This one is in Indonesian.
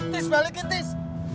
tis balikin tis